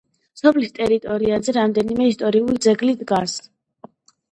სოფლის ტერიტორიაზე რამდენიმე ისტორიული ძეგლი დგას.